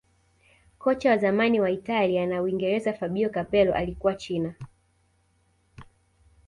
kocha wa zamani wa italia na uingereza fabio capello alikuwa china